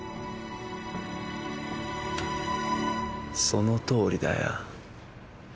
そのとおりだよ。